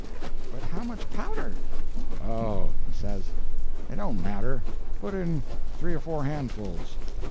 'But how much powder?' 'Oh,' he says, 'it don't matter; put in three or four handfuls.'